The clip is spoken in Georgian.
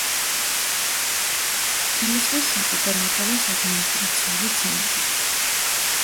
წითელი ზღვის საგუბერნატოროს ადმინისტრაციული ცენტრი.